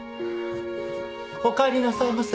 おかえりなさいませ。